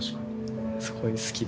すごい好きですね。